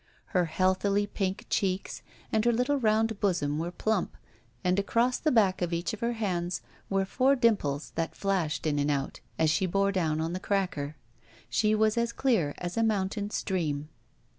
Her healthily pink cheeks and her little round bosom were plump, and across the back of each of her hands were four dimples that flashed in and out as she bore down on the cracker. She was as clear as a mountain stream.